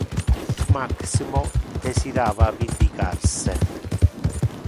Maximo desirava vindicar se.